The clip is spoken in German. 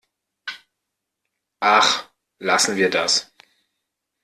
Ach, lassen wir das!